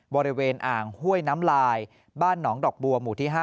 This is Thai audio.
บริเวณอ่างห้วยน้ำลายบ้านหนองดอกบัวหมู่ที่๕